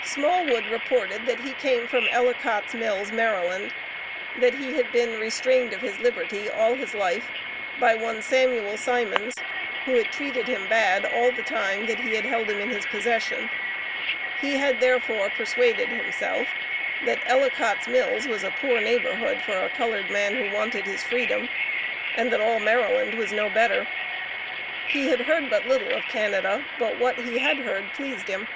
Smallwood reported that he came from Ellicott's Mills, Maryland; that he had been restrained of his liberty all his life, by one Samuel Simons, who had treated him "bad" all the time that he had held him in his possession. He had, therefore, persuaded himself that Ellicott's Mills was a poor neighborhood for a colored man who wanted his freedom, and that all Maryland was no better. He had heard but little of Canada, but what he had heard pleased him.